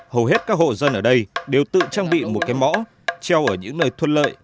hầu hết các hộ dân ở đây đều tự trang bị một cái mõ treo ở những nơi thuận lợi